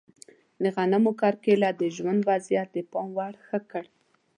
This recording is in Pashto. د غنمو کرکیله د ژوند وضعیت د پام وړ ښه کړ.